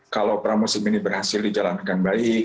kalau pramusim ini berhasil dijalankan baik